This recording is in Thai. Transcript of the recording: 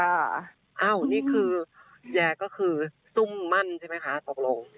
อ้าวนี่คือแยก็คือซุ่มมั่นใช่ไหมคะตกลง